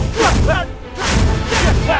untuk berpengalaman di se gallus